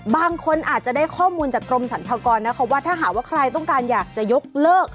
บางคนอาจจะได้ข้อมูลจากกรมสรรพากรนะคะว่าถ้าหากว่าใครต้องการอยากจะยกเลิก